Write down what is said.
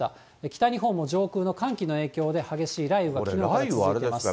北日本も上空の寒気の影響で、激しい雷雨がきのうから続いています。